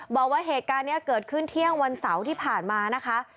บอกว่าเหตุการณ์นี้เกิดขึ้นเที่ยงวันเสาร์ที่ผ่านมานะคะ